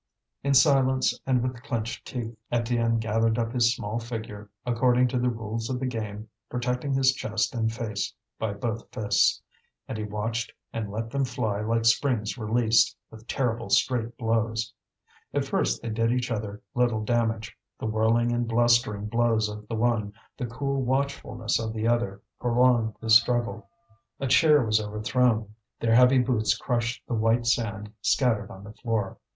In silence, and with clenched teeth, Étienne gathered up his small figure, according to the rules of the game, protecting his chest and face by both fists; and he watched and let them fly like springs released, with terrible straight blows. At first they did each other little damage. The whirling and blustering blows of the one, the cool watchfulness of the other, prolonged the struggle. A chair was overthrown; their heavy boots crushed the white sand scattered on the floor.